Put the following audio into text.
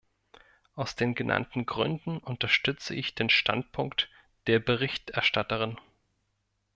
Aus den genannten Gründen unterstütze ich den Standpunkt der Berichterstatterin.